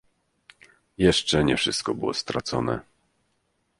"Jeszcze nie wszystko było stracone."